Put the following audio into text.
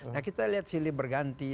nah kita lihat silih berganti